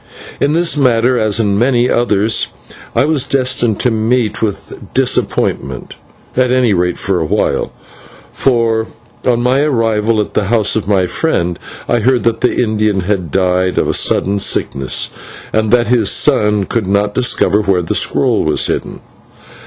In this matter, as in many others, I was destined to meet with disappointment, however at any rate for a while; for, on my arrival at the house of my friend, I heard that the Indian had died of a sudden sickness, and that his son could not discover where the scroll was hidden.